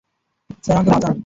Sir, আমাকে বাঁচান।